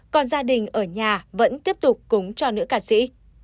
còn gia đình ở nhà vẫn tiếp tục cúng cho nữ ca sĩ